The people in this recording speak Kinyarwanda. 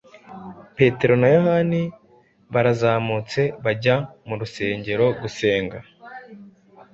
Petero na Yohana barazamutse bajya mu rusengero gusenga.